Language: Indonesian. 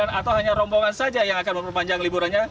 atau hanya rombongan saja yang akan memperpanjang liburannya